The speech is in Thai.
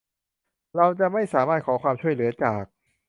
เราจะไม่สามารถขอความช่วยเหลือจาก